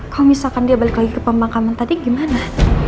kalo misalkan dia balik lagi ke pembangkaman tadi gimana